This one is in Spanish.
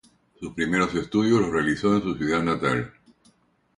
Sus primeros estudios los realizó en su ciudad natal.